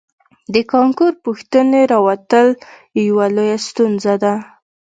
د کانکور پوښتنې راوتل یوه لویه ستونزه ده